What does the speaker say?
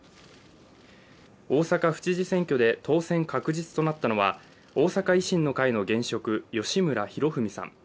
大阪府知事選挙で当選確実となったのは大阪維新の会の現職、吉村洋文さん。